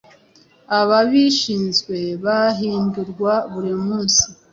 Ababishinzwe bahindurwa buri munsi